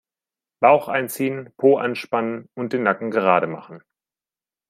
Bauch einziehen, Po anspannen und den Nacken gerade machen.